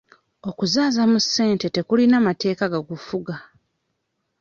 Okuzaaza mu ssente tekulina mateeka gakufuga.